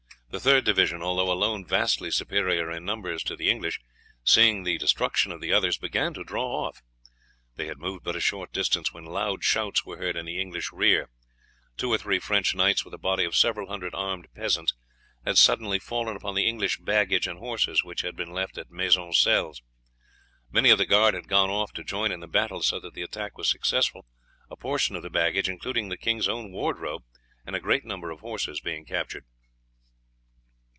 The third division, although alone vastly superior in numbers to the English, seeing the destruction of the others, began to draw off. They had moved but a short distance when loud shouts were heard in the English rear. Two or three French knights, with a body of several hundred armed peasants, had suddenly fallen upon the English baggage and horses which had been left at Maisoncelles. Many of the guard had gone off to join in the battle, so that the attack was successful, a portion of the baggage, including the king's own wardrobe, and a great number of horses being captured.